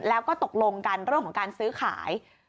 แล้วก็ตกลงกันเรื่องของการซื้อขาย